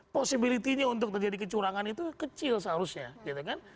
possibility nya untuk terjadi kecurangan itu kecil seharusnya gitu kan